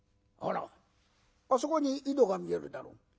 ほらあそこに井戸が見えるだろ。